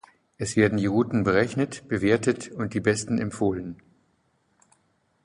Es werden die Routen berechnet, bewertet und die besten empfohlen.